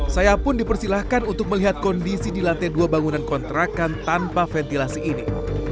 saya pun dipersilahkan untuk melihat kondisi di lantai dua bangunan kontrakan tanpa ventilasi ini